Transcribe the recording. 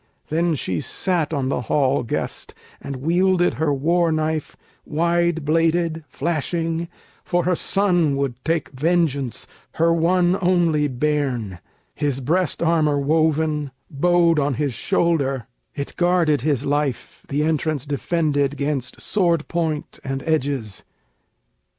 Then she sat on the hall guest And wielded her war knife wide bladed, flashing, For her son would take vengeance, her one only bairn, His breast armor woven bode on his shoulder; It guarded his life, the entrance defended 'Gainst sword point and edges.